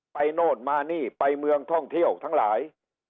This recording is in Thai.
โน่นมานี่ไปเมืองท่องเที่ยวทั้งหลาย